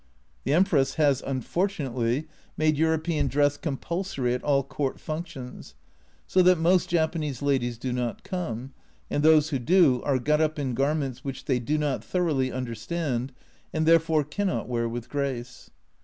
The Empress has, unfortunately, made European dress compulsory at all Court functions, so that most Japanese ladies do not come, and those who do are got up in garments which they do not thoroughly understand and therefore cannot wear with grace.